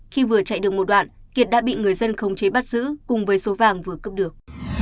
khi vừa chạy được một đoạn kiệt đã bị người dân khống chế bắt giữ cùng với số vàng vừa cướp được